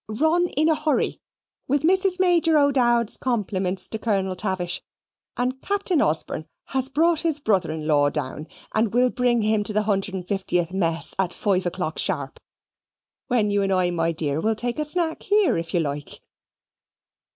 Run in a hurry, with Mrs. Major O'Dowd's compliments to Colonel Tavish, and Captain Osborne has brought his brothernlaw down, and will bring him to the 150th mess at five o'clock sharp when you and I, my dear, will take a snack here, if you like."